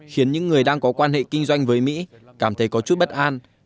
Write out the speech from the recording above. khiến những người đang có quan hệ kinh doanh với mỹ cảm thấy có chút bất an